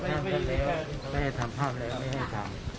ไม่ให้ทำผ้าไปแล้วไม่ให้ทำ